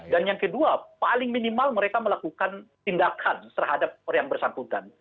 dan yang kedua paling minimal mereka melakukan tindakan terhadap orang yang bersakutan